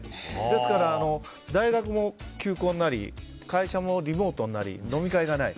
ですから大学も休校になり会社もリモートになり飲み会がない。